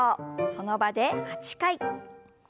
その場で８回。